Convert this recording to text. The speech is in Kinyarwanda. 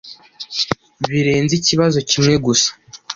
birenze ikibazo kimwe gusa